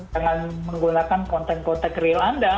jangan menggunakan konten konten real anda